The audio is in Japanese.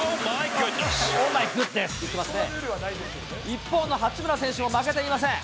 一方の八村選手も負けていません。